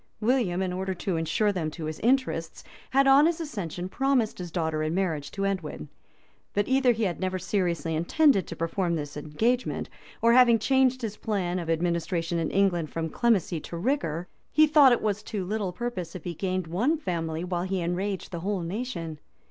William, in order to insure them to his interests, had on his accession promised his daughter in marriage to Edwin; but either he had never seriously intended to perform this engagement, or, having changed his plan of administration in England from clemency to rigor, he thought it was to little purpose if he gained one family, while he enraged the whole nation.